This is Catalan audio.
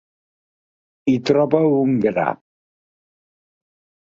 Hi troba un gra.